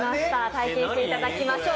体験していただきましょう。